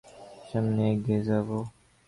আমরা সামনে এগিয়ে যাবো।